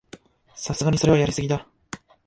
さすがにそれはやりすぎだ